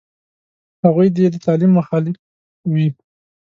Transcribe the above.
هغوی دې د تعلیم مخالف وي.